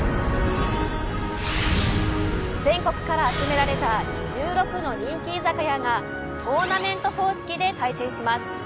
全国から集められた１６の人気居酒屋がトーナメント方式で対戦します。